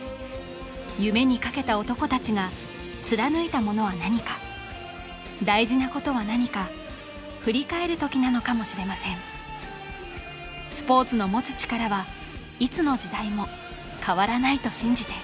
夢にかけた男たちが貫いたものは何か大事なことは何か振り返る時なのかもしれませんスポーツの持つ力はいつの時代も変わらないと信じて